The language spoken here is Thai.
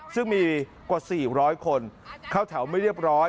ซึ่งมีกว่า๔๐๐คนเข้าแถวไม่เรียบร้อย